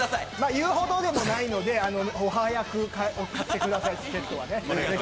言うほどでもないので、お早く買ってください、チケットはね。